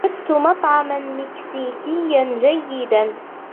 وجدت مطعما مكسيكيا جيدا.